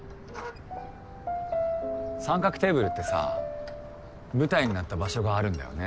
『三角テーブル』ってさ舞台になった場所があるんだよね。